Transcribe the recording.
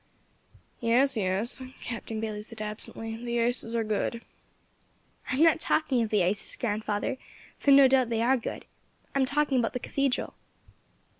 "Yes, yes," Captain Bayley said absently, "the ices are good." "I am not talking of the ices, grandfather, though no doubt they are good. I am talking about the cathedral."